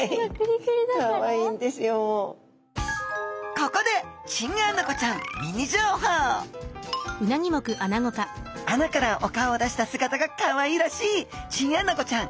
ここでチンアナゴちゃんミニ情報穴からお顔を出した姿がかわいらしいチンアナゴちゃん。